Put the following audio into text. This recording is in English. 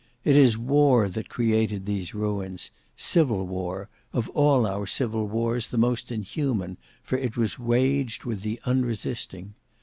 It is war that created these ruins, civil war, of all our civil wars the most inhuman, for it was waged with the unresisting.